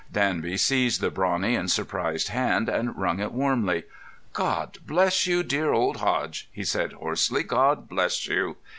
Danby seized the brawny and surprised hand and wrung it warmly. "God bless you, dear old Hodge!" he said hoarsely. "God bless you!"